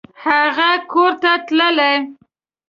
هغه کورته تلله !